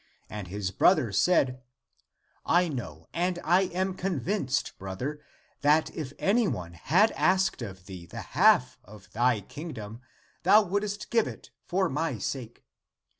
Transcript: And his brother said, " I know and I am convinced, brother, that if any one had asked of thee the half of thy kingdom, thou wouldst give it for my sake.